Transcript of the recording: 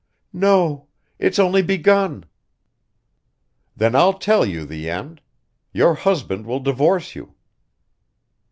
"No ... it's only begun...." "Then I'll tell you the end. Your husband will divorce you."